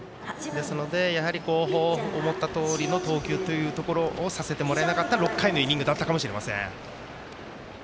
ですので、思ったとおりの投球というところもさせてもらえなかった６回のイニングだったかもしれません。